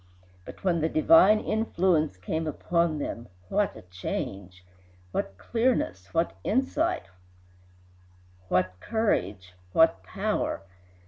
But when the divine influence came upon them, what a change! What clearness, what insight, what courage, what power!